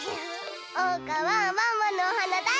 おうかはワンワンのおはなだいすき！